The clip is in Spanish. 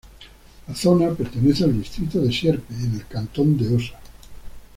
La zona pertenece al distrito de Sierpe, en el cantón de Osa.